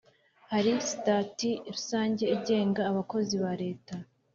Hari sitati rusange igenga abakozi ba Leta.